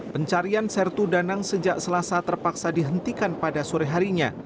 pencarian sertu danang sejak selasa terpaksa dihentikan pada sore harinya